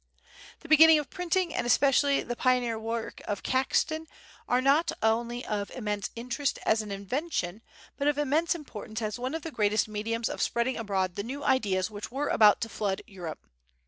The beginnings of printing, and especially the pioneer work of Caxton, are not only of immense interest as an invention, but of immense importance as one of the great mediums of spreading abroad the new ideas which were about to flood Europe.